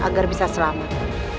agar bisa selamat